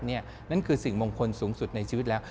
นั่นคือสิ่งมงคลสูงสุดในชีวิตแล้ว